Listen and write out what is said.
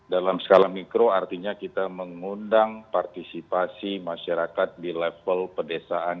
dalam skala mikro artinya kita mengundang partisipasi masyarakat di level pedesaan